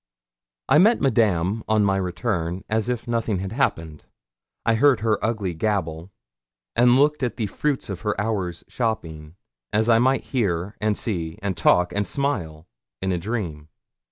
I met Madame on my return as if nothing had happened. I heard her ugly gabble, and looked at the fruits of her hour's shopping, as I might hear, and see, and talk, and smile, in a dream.